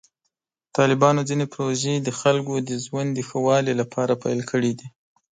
طالبانو ځینې پروژې د خلکو د ژوند د ښه والي لپاره پیل کړې دي.